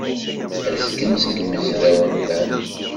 Azgen seg yimezrawen ban.